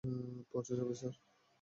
পৌঁছে যাবো, স্যার।